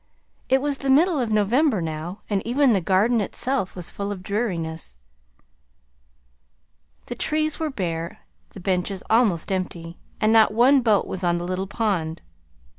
It was the middle of November now, and even the Garden itself was full of dreariness. The trees were bare, the benches almost empty, and not one boat was on the little pond.